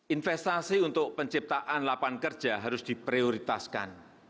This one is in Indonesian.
investasi untuk penciptaan lapangan kerja harus diprioritaskan